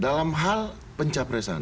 dalam hal pencapresan